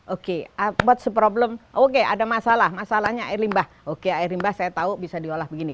oke ada masalah masalahnya air limbah oke air limbah saya tahu bisa diolah begini